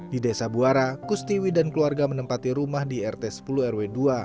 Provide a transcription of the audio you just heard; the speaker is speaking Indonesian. di desa buara kustiwi dan keluarga menempati rumah di rt sepuluh rw dua